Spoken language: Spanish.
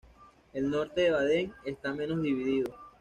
El norte del "bodden" está menos dividido.